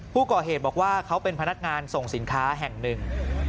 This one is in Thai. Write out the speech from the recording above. ผู้ก่อเหตุบอกว่าเขาเป็นพนักงานส่งสินค้าแห่งหนึ่ง